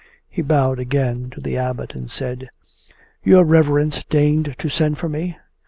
He bowed again to the Abbot and said: 'Your reverence deigned to send for me?